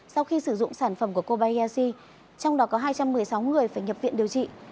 sau khi sử dụng sản phẩm của kobayashi trong đó có hai trăm một mươi sáu người phải nhập viện điều trị